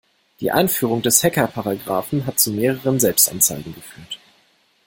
Die Einführung des Hackerparagraphen hat zu mehreren Selbstanzeigen geführt.